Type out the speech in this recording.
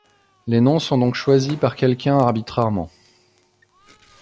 Les noms sont donc choisis par quelqu'un arbitrairement.